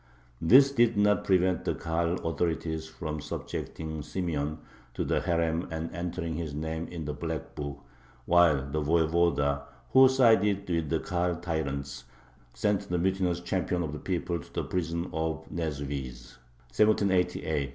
This did not prevent the Kahal authorities from subjecting Simeon to the herem and entering his name in the "black book," while the Voyevoda, who sided with the Kahal tyrants, sent the mutinous champion of the people to the prison of Neswizh (1788).